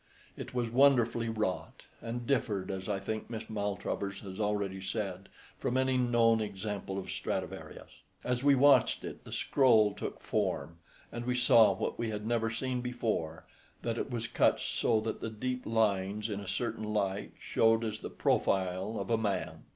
It was wonderfully wrought, and differed, as I think Miss Maltravers has already said, from any known example of Stradivarius. As we watched it, the scroll took form, and we saw what we had never seen before, that it was cut so that the deep lines in a certain light showed as the profile of a man.